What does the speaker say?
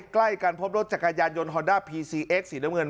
ใกล้กันพบรถจักรยานยนต์พีซีเอ็กซ์สีดำเงิน